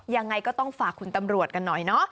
ยังไงก็ต้องฝากคุณตำรวจกันหน่อยเนาะ